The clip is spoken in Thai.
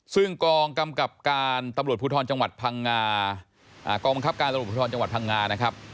ซึ่งกองกำกรับการกองบังคับการภูทรจังหวัดพังงาครับ